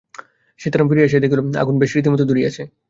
সীতারাম ফিরিয়া আসিয়া দেখিল, আগুন বেশ রীতিমত ধরিয়াছে।